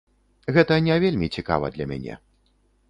Гэта не вельмі цікава для мяне.